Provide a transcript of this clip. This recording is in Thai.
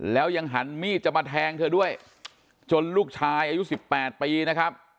แล้วยังหันมีดจะมาแทงเธอด้วยจนลูกชายอายุ๑๘ปีนะครับ